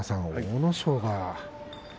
阿武咲が。